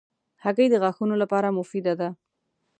هګۍ د غاښونو لپاره مفیده ده.